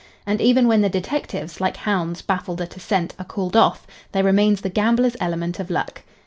And even when the detectives, like hounds baffled at a scent, are called off, there remains the gambler's element of luck.